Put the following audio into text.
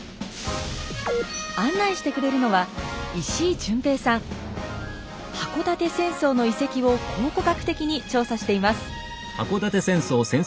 案内してくれるのは箱館戦争の遺跡を考古学的に調査しています。